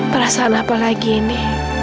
perasaan apa lagi ini